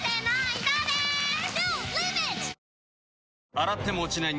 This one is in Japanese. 洗っても落ちない